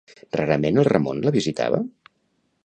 Rarament el Ramon la visitava?